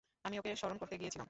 আমি ওকে স্মরণ করতে গিয়েছিলাম।